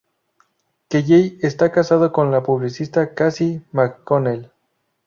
Kelley está casado con la publicista Cassie McConnell.